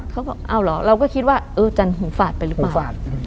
เขาบอกเอาเหรอเราก็คิดว่าเออจันหูฝาดไปหรือเปล่า